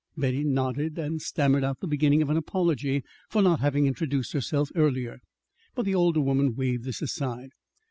Betty nodded and stammered out the beginning of an apology for not having introduced herself earlier. But the older woman waved this aside.